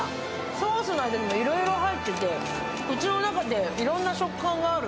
ソースがいろいろ入ってて口の中で、いろんな食感がある。